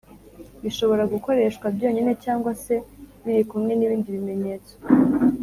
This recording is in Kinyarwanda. bishobora gukoreshwa byonyine cg se birikumwe nibindi bimenyetso